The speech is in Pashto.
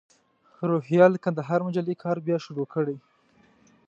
روهیال د کندهار مجلې کار بیا شروع کړی.